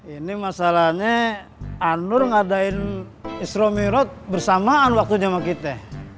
ini masalahnya anur ngadain isromirot bersamaan waktunya sama kita